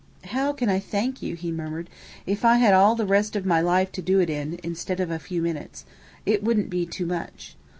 "How can I thank you?" he murmured. "If I had all the rest of my life to do it in, instead of a few minutes, it wouldn't be too much.